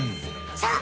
さあ